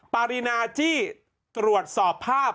ปรินาจี้ตรวจสอบภาพ